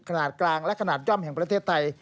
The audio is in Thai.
ขนาดกลางและขนาดย่อมแห่งประเทศไทย